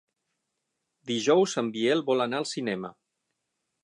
Dijous en Biel vol anar al cinema.